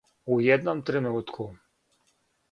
У једном тренутку.